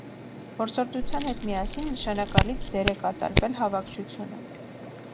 Որսորդության հետ միասին նշանակալից դեր է կատարել հավաքչությունը։